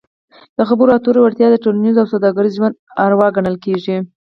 د خبرو اترو وړتیا د ټولنیز او سوداګریز ژوند اروا ګڼل کیږي.